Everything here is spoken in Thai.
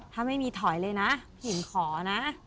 ถ้าไม่มีถอดเลยนะอิ่มขอนะ